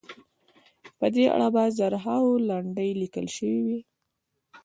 په دې اړه به زرهاوو لنډۍ لیکل شوې وي.